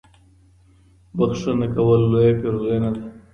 بښنه کول لويه پېرزوينه ده.